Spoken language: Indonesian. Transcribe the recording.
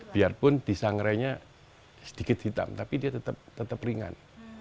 biarpun di sangrenya sedikit hitam tapi dia tetap ringan